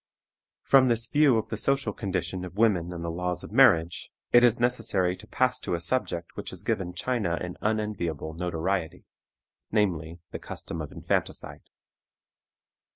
From this view of the social condition of women and the laws of marriage, it is necessary to pass to a subject which has given China an unenviable notoriety, namely, the custom of infanticide.